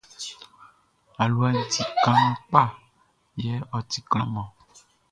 Aluaʼn ti kaan kpa yɛ ɔ ti klanman.